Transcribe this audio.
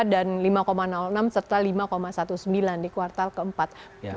dan lima enam serta lima sembilan belas di kuartal keempat